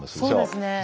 そうですね。